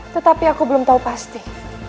tetapi aku belum tahu pasti